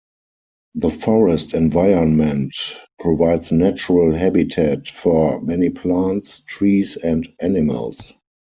The forest environment provides natural habitat for many plants, trees, and animals.